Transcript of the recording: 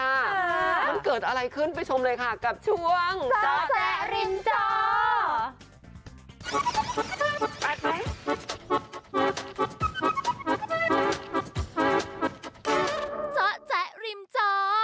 มันเกิดอะไรขึ้นไปชมเลยค่ะกับช่วงเจาะแจ๊ริมจอ